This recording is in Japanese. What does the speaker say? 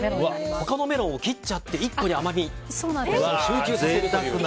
他のメロンを切っちゃって１個に甘みを集中させるという。